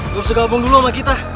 gak usah gabung dulu sama kita